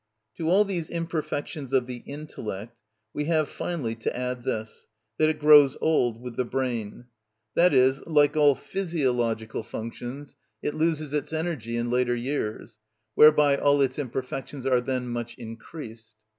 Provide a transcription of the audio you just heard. To all these imperfections of the intellect we have finally to add this, that it grows old with the brain, that is, like all physiological functions, it loses its energy in later years, whereby all its imperfections are then much increased.